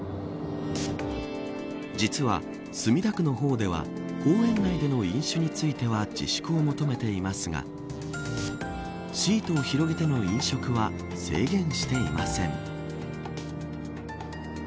実は、墨田区の方では公園内での飲酒については自粛を求めていますがシートを広げての飲食は制限していません。